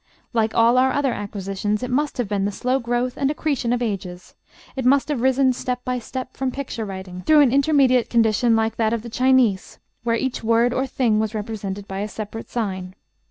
Like all our other acquisitions, it must have been the slow growth and accretion of ages; it must have risen step by step from picture writing through an intermediate condition like that of the Chinese, where each word or thing was represented by a separate sign.